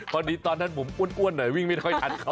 คนนี้ตอนนั้นผมอ้วนหน่อยวิ่งไม่ค่อยทันข้อ